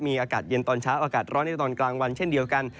มีอากาศเย็นตอนเช้าอากาศร้อนในตอนกลางวันเช่นเดียวกัน